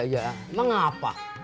emang enggak enggak pak